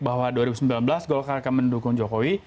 bahwa dua ribu sembilan belas golkar akan mendukung jokowi